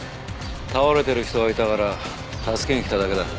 倒れてる人がいたから助けに来ただけだ。